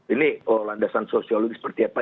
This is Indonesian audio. ini landasan sosiologi seperti apa